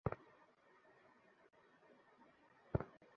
বলিয়া একে একে যুবরাজের কারারোধের কথা কহিল।